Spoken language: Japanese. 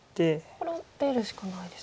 これ出るしかないですね。